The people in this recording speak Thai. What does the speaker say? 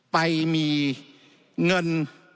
ไปมีเงิน